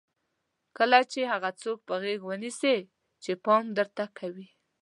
کله چې هغه څوک په غېږ ونیسئ چې پام درته کوي.